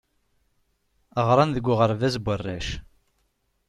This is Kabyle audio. Ɣran deg uɣerbaz n warrac.